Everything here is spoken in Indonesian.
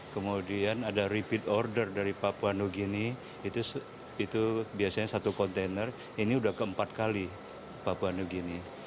kemudian ada repeat order dari papua new guinea itu biasanya satu kontainer ini sudah keempat kali papua new guinea